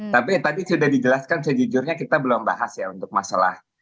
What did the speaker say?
tapi tadi sudah dijelaskan sejujurnya kita belum bahas ya untuk masalah